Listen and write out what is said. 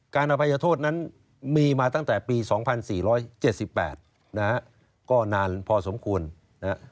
อภัยโทษนั้นมีมาตั้งแต่ปี๒๔๗๘นะฮะก็นานพอสมควรนะฮะ